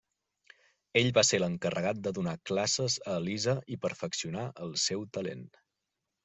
Ell va ser l'encarregat de donar classes a Elisa i perfeccionar el seu talent.